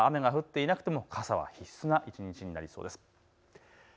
あすは雨が降っていなくても傘は必須な一日になりそうです。